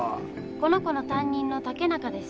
この子の担任の竹中です。